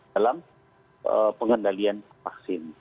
dalam pengendalian vaksin